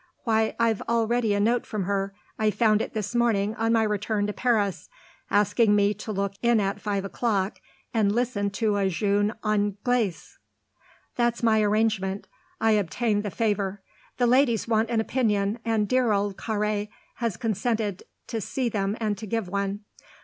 Why, I've already a note from her I found it this morning on my return to Paris asking me to look in at five o'clock and listen to a jeune Anglaise." "That's my arrangement I obtained the favour. The ladies want an opinion, and dear old Carré has consented to see them and to give one.